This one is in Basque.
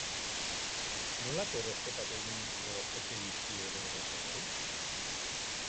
Nolako erosketak egingo ote dizkie bere bezeroei?